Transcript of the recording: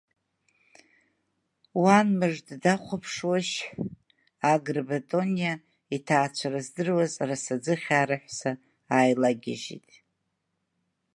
Уан мыжда дахәаԥшуоушь, Агрба Тониа иҭаацәара здыруаз Арасаӡыхьаа рыҳәса ааилагьежьит.